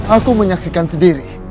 aku menyaksikan sendiri